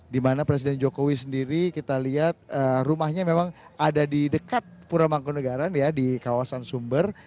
dimana presiden jokowi sendiri kita lihat rumahnya memang ada di dekat pura mangkunagaran ya di kawasan sumber